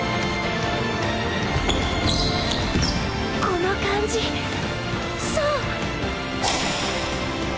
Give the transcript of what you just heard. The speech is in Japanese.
この感じそう。